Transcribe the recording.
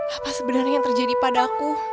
apa sebenarnya yang terjadi padaku